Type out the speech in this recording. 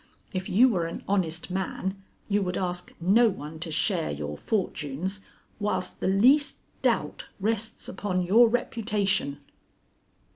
If you were an honest man you would ask no one to share your fortunes whilst the least doubt rests upon your reputation."